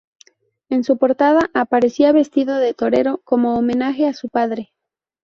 En su portada aparecía vestido de torero como homenaje a su padre.